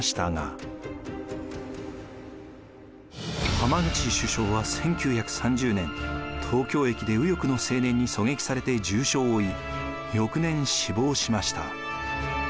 浜口首相は１９３０年東京駅で右翼の青年に狙撃されて重傷を負い翌年死亡しました。